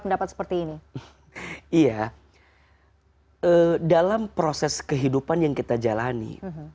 dalam proses kehidupan yang kita jalani